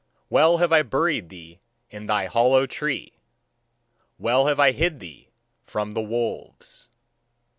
Well have I buried thee in thy hollow tree; well have I hid thee from the wolves.